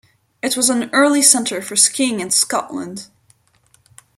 It was an early centre for skiing in Scotland.